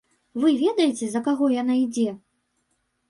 Вы ведаеце, за каго яна ідзе?